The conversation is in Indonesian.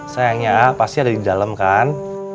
sayangnya pasti ada di dalam kan